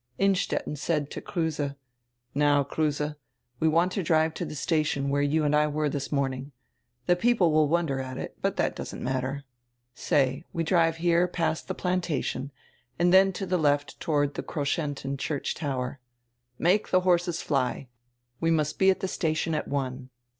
Innstetten said to Kruse: "Now, Kruse, we want to drive to the station where you and I were this morning. The people will wonder at it, but that doesn't matter. Say, we drive here past the 'Plantation,' and then to the left toward the Kroschentin church tower. Make the horses fly. We must be at the station at one."